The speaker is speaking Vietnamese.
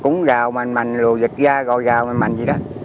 cũng gào mạnh mạnh lùi vịt ra gò gào mạnh mạnh vậy đó